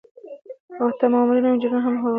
او حتا مامورين او انجينران هم هماغه دي